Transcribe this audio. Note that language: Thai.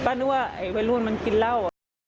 ป้านึกว่าไอวะลุยมันกินร่าว